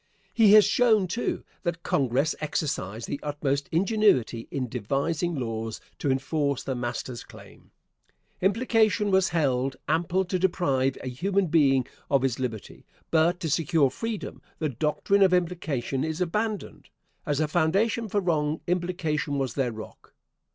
He has shown, too, that Congress exercised the utmost ingenuity in devising laws to enforce the master's claim. Implication was held ample to deprive a human being of his liberty, but to secure freedom, the doctrine of implication is abandoned. As a foundation for wrong, implication was their rock.